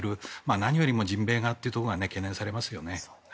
何よりも人命がというところが懸念されますよね。